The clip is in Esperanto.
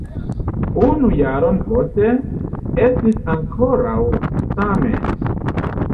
Unu jaron poste, estis ankoraŭ same.